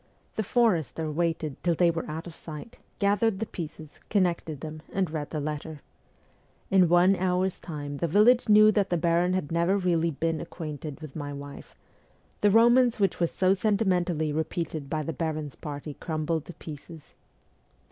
The forester waited till they were out of sight, gathered the pieces, connected them, and read the letter. In one hour's time the village knew that the baron had never really been acquainted with my wife ; the romance which was so sentimentally repeated by the baron's party crumbled to pieces.